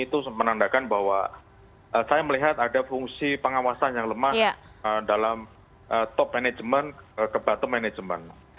itu menandakan bahwa saya melihat ada fungsi pengawasan yang lemah dalam top management ke bottom management